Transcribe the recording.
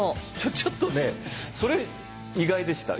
ちょっとねそれ意外でした。